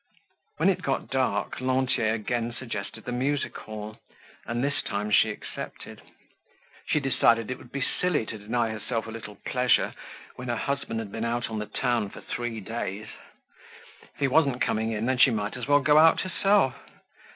When it got dark, Lantier again suggested the music hall, and this time she accepted. She decided it would be silly to deny herself a little pleasure when her husband had been out on the town for three days. If he wasn't coming in, then she might as well go out herself.